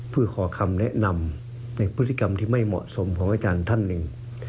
เพื่อขอคำแนะนำในพฤติกรรมที่ไม่เหมาะสมของอาจารย์ท่านหนึ่ง